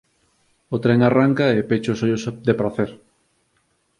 O tren arranca e pecho os ollos de pracer.